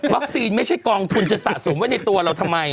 ไม่ใช่กองทุนจะสะสมไว้ในตัวเราทำไม